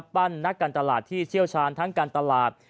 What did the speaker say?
นักการตลาดที่เชี่ยวชาญทั้งการตลาด